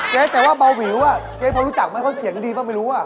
แต่ว่าเบาวิวอ่ะเจ๊พอรู้จักไหมเขาเสียงดีบ้างไม่รู้อ่ะ